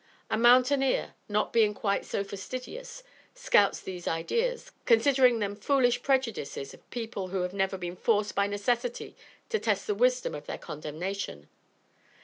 A mountaineer, not being quite so fastidious, scouts these ideas, considering them foolish prejudices of people who have never been forced by necessity to test the wisdom of their condemnation.